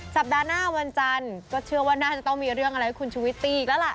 สัปดาห์หน้าวันจันทร์ก็เชื่อว่าน่าจะต้องมีเรื่องอะไรให้คุณชุวิตตีอีกแล้วล่ะ